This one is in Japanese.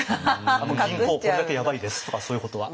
「あの銀行これだけやばいです」とかそういうことは。